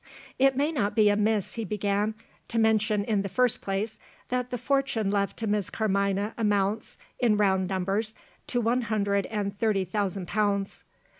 "It may not be amiss," he began, "to mention, in the first place, that the fortune left to Miss Carmina amounts, in round numbers, to one hundred and thirty thousand pounds.